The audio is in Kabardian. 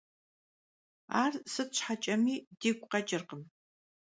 Ar sıtım şheç'emi digu kheç'ırkhım.